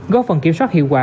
góp phần kiểm soát hiệu quả